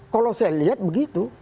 kalau saya lihat begitu